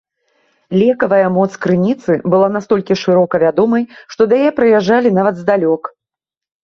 Лекавая моц крыніцы была настолькі шырока вядомай, што да яе прыязджалі нават здалёк.